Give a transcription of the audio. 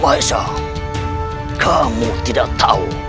maesha kamu tidak tahu